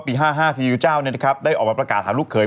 ปี๕๕ซีจิ้วเจ้านะครับได้ออกมาประกาศหาลูกเคย